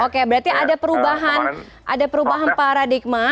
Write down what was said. oke berarti ada perubahan paradigma